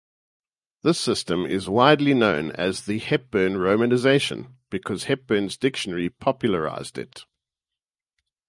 This system is widely known as the Hepburn romanization because Hepburn's dictionary popularized it.